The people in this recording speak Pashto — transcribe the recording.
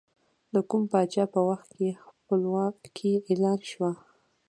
د کوم پاچا په وخت کې خپلواکي اعلان شوه؟